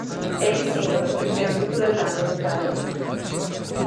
È il singolo più venduto dell'anno in Italia.